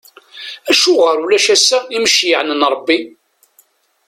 Acuɣer ulac ass-a imceyyɛen n Ṛebbi?